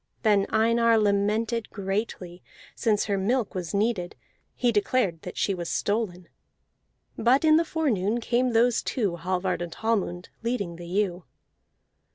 Then Einar lamented greatly, since her milk was needed: he declared that she was stolen. But in the forenoon came those two, Hallvard and Hallmund, leading the ewe.